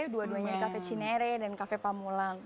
dua duanya di cafe cinere dan kafe pamulang